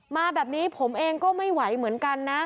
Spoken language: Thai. มาแบบนี้ผมเองก็ไม่ไหวเหมือนกันนะ